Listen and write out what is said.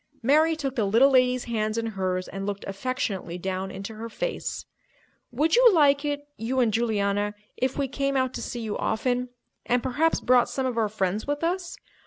Mary took the little lady's hands in hers and looked affectionately down into her face. "Would you like it—you and Juliana—if we came out to see you often? And perhaps brought some of our friends with us?"